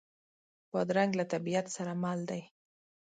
بادرنګ له طبیعت سره مل دی.